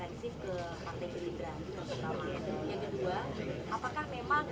yang kedua apakah memang